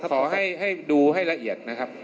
ขอให้ดูให้ละเอียดนะครับ